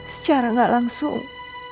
secara gak langsung